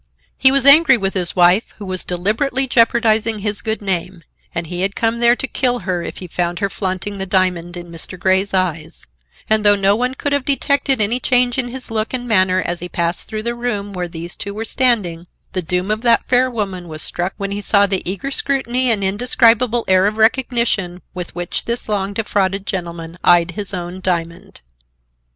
He was angry with his wife, who was deliberately jeopardizing his good name, and he had come there to kill her if he found her flaunting the diamond in Mr. Grey's eyes; and though no one could have detected any change in his look and manner as he passed through the room where these two were standing, the doom of that fair woman was struck when he saw the eager scrutiny and indescribable air of recognition with which this long defrauded gentleman eyed his own diamond.